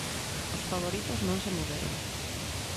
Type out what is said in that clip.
Os favoritos non se moveron.